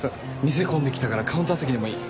店混んできたからカウンター席でもいい？